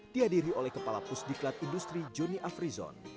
dihadiri oleh kepala pusdiklat industri joni afrizon